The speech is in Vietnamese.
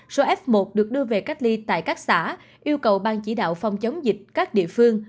số f một được đưa về cách ly tại các xã yêu cầu ban chỉ đạo phòng chống dịch các địa phương